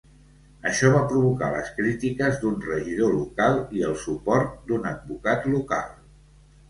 Això va provocar les crítiques d'un regidor local i el suport d'un advocat local.